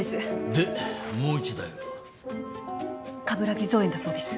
でもう一台は？鏑木造園だそうです。